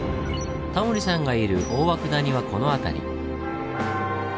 タモリさんがいる大涌谷はこの辺り。